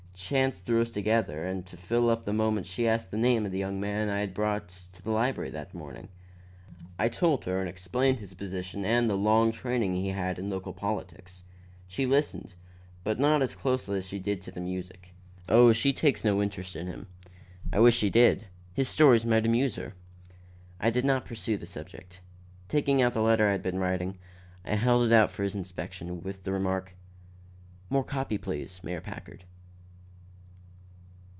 Chance threw us together, and to fill up the moment she asked the name of the young man I had brought into the library that morning. I told her and explained his position and the long training he had had in local politics. She listened, but not as closely as she did to the music. Oh, she takes no interest in him. I wish she did; his stories might amuse her." I did not pursue the subject. Taking out the letter I had been writing, I held it out for his inspection, with the remark: "More copy, please, Mayor Packard."